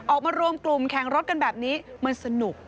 ออกมารวมกลุ่มแข่งรถกันแบบนี้มันสนุก